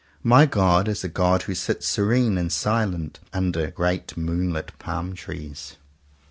My God is a God who sits serene and silent, under great moon lit palm trees.